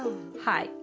はい。